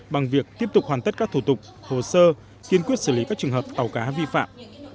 bằng việc tiếp tục hoàn tất các thủ tục hồ sơ kiên quyết xử lý các trường hợp tàu cá vi phạm